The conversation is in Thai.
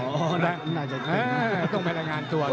อเจมส์น่าจะต้องไปรังงานตัวหน่อยล่ะ